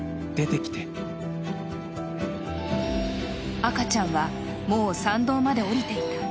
赤ちゃんは、もう産道まで下りていた。